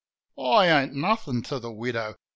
I ain't nothin' to the widow. .